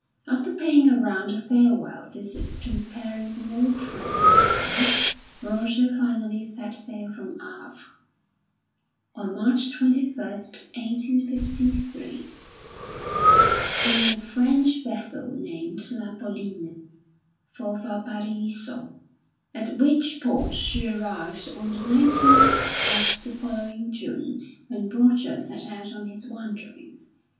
After paying a round of farewell visits to his parents and old friends in Paris, Roger finally set sail from Havre, on March 21, 1853, in a French vessel named La Pauline, for Valparaiso, at which port she arrived on the 19th of the following June, when Roger set out on his wanderings.